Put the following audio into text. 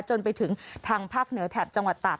จนไปถึงทางภาคเหนือแถบจังหวัดตาก